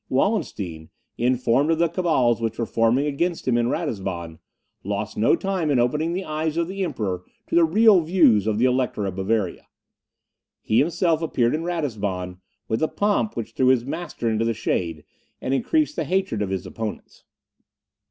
Wallenstein, informed of the cabals which were forming against him in Ratisbon, lost no time in opening the eyes of the Emperor to the real views of the Elector of Bavaria. He himself appeared in Ratisbon, with a pomp which threw his master into the shade, and increased the hatred of his opponents.